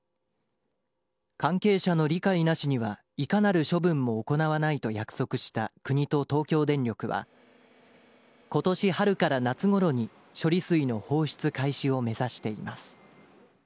関係者の理解なしにはいかなる処分も行わないと約束した国と東京電力は、ことし春から夏ごろに処理水の放出開始を目指しています。